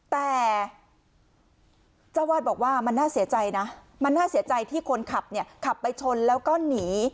แต่เจ้าวาดบอกว่ามันน่าเสียใจนะมันน่าเสียใจที่คนขับเนี่ยขับไปชนแล้วก็หนี